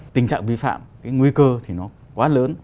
tình trạng vi phạm cái nguy cơ thì nó quá lớn